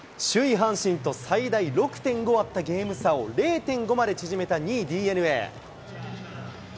阪神と最大６．５あったゲーム差を０．５まで縮めた２位ＤｅＮＡ。